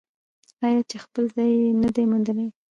آیا چې خپل ځای یې نه دی موندلی؟